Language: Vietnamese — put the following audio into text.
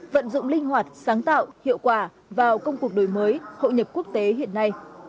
vận dụng linh hoạt sáng tạo hiệu quả vào công cuộc đổi mới hội nhập quốc tế hiện nay